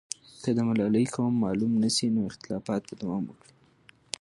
که د ملالۍ قوم معلوم نه سي، نو اختلافات به دوام وکړي.